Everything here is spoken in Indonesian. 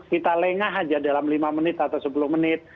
kita lengah aja dalam lima menit atau sepuluh menit